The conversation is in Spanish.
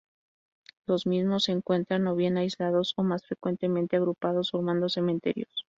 Los mismos se encuentran o bien aislados o más frecuentemente, agrupados formando cementerios.